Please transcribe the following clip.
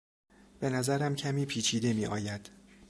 به نظرم کمی پیچیده میآید.